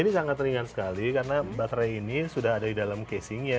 ini sangat ringan sekali karena baterai ini sudah ada di dalam casingnya